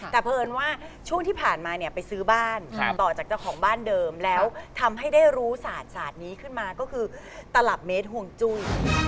แต่เพลินว่าช่วงที่ผ่านมาเนี่ยไปซื้อบ้านต่อจากเจ้าของบ้านเดิมแล้วทำให้ได้รู้ศาสตร์ศาสตร์นี้ขึ้นมาก็คือตลับเมตรห่วงจุ้ย